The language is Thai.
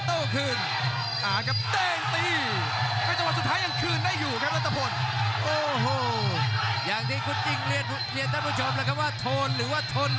โอ้วรัตภัณฑ์พยายามจะโตคืน